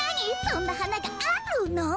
そんなはながあるの？